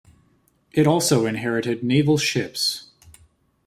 It also inherited naval ships.